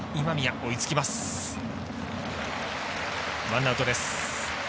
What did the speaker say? ワンアウトです。